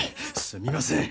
すみません